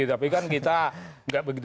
tapi kan kita nggak begitu